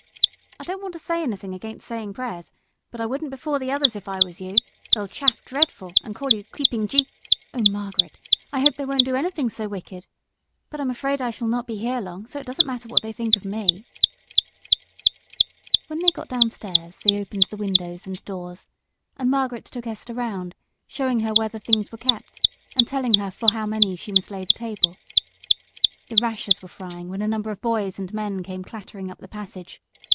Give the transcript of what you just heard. "I don't want to say anything against saying prayers, but I wouldn't before the others if I was you they'll chaff dreadful, and call you Creeping Jesus." "Oh, Margaret, I hope they won't do anything so wicked. But I am afraid I shan't be long here, so it doesn't matter what they think of me." When they got downstairs they opened the windows and doors, and Margaret took Esther round, showing her where the things were kept, and telling her for how many she must lay the table. At that moment a number of boys and men came clattering up the passage.